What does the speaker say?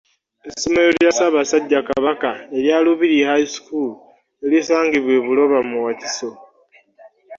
Essomero lya Ssaabasajja Kabaka erya Lubiri High School erisangibwa e Buloba mu Wakiso